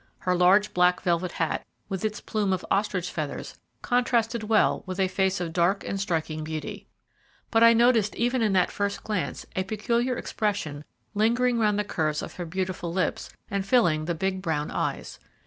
Her large black velvet hat, with its plume of ostrich feathers, contrasted well with a face of dark and striking beauty, but I noticed even in that first glance a peculiar expression lingering round the curves of her beautiful lips and filling the big brown eyes.